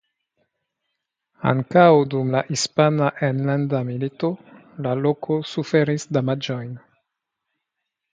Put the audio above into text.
Ankaŭ dum la Hispana Enlanda Milito la loko suferis damaĝojn.